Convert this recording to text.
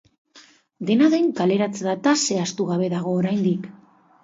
Dena den, kaleratze-data zehaztu gabe dago oraindik.